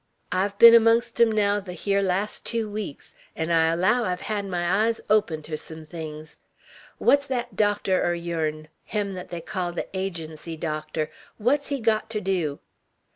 I've been 'mongst 'em, naow, they hyar last tew weeks, 'n' I allow I've had my eyes opened ter some things. What's thet docter er yourn, him thet they call the Agency doctor, what's he got ter do?"